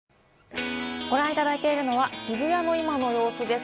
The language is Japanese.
ご覧いただいているのは渋谷の今の様子です。